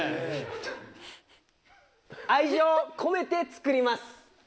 愛情コメて作ります。